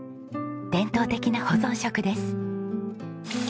伝統的な保存食です。